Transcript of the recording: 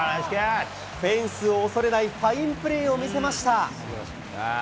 フェンスを恐れないファインプレーを見せました。